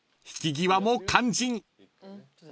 ［引き際も肝心］